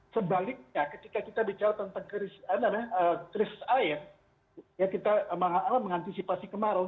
sebaliknya ketika kita bicara tentang krisis air ya kita mengantisipasi kemarau